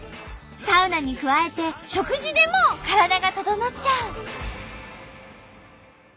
サウナに加えて食事でも体がととのっちゃう！